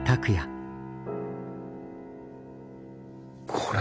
これ。